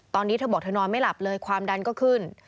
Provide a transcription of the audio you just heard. ตอนนี้เธอบอกเธอนอนไม่หลับเลยความดันก็ขึ้น